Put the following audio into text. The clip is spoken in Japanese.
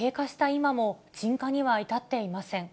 今も鎮火には至っていません。